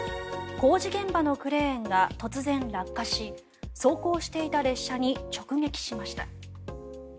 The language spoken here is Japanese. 工事現場のクレーンが突然落下し走行していた列車に直撃しました。